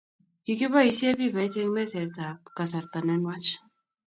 Kikiboisie pipait eng mesetab kasarta ne nwach